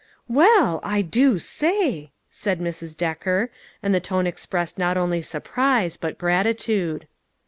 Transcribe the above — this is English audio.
" Well, I do say !" said Mrs. Decker, and the tone expressed not only surprise, but gratitude.